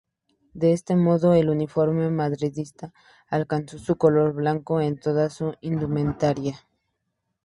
De este modo, el uniforme madridista alcanzó su color blanco en toda su indumentaria.